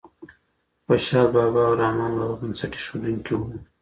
خوشال بابا او رحمان بابا بنسټ اېښودونکي وو.